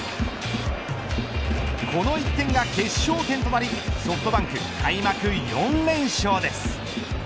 この１点が決勝点となりソフトバンク、開幕４連勝です。